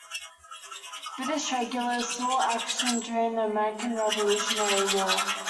British regulars saw action during the American Revolutionary War.